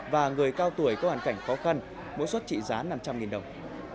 và người cao tuổi có hoàn cảnh khó khăn mỗi suất trị giá năm trăm linh đồng